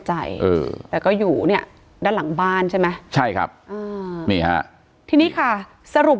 ใจแต่ก็อยู่เนี่ยด้านหลังบ้านใช่ไหมใช่ครับที่นี่ค่ะสรุป